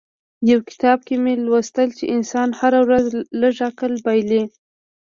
يو کتاب کې مې ولوستل چې انسان هره ورځ لږ عقل بايلي.